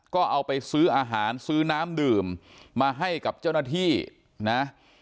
ก็เอาไปซื้ออาหารซื้อน้ำดื่มมาให้กับเจ้าหน้าที่นะ